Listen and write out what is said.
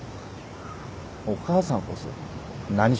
お母さんこそ何してんの？